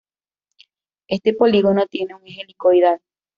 Este polígono tiene un eje helicoidal.